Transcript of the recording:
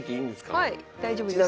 はい大丈夫です。